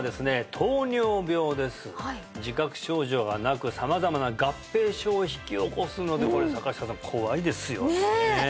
糖尿病です自覚症状がなく様々な合併症を引き起こすのでこれ坂下さん怖いですよねねえ！